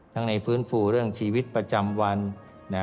ในฟื้นฟูเรื่องชีวิตประจำวัน